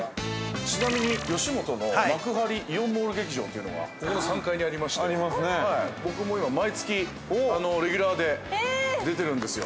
◆ちなみに吉本の幕張イオンモール劇場というのが３階にありまして、僕も毎月、レギュラーで出てるんですよ。